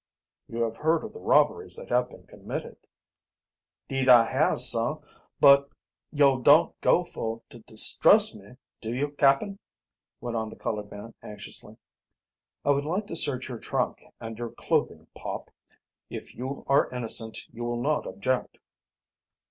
"You have heard of the robberies that have been committed?" "'Deed I has, sah. But but yo' don't go fo' to distrust me, do yo', cap'n?" went on the colored man anxiously. "I would like to search your trunk and your clothing, Pop. If you are innocent you will not object."